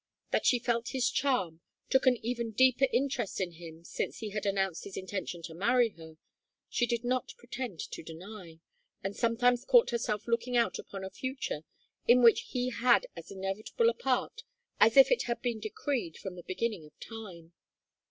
That she felt his charm, took an even deeper interest in him since he had announced his intention to marry her, she did not pretend to deny, and sometimes caught herself looking out upon a future in which he had as inevitable a part as if it had been decreed from the beginning of time.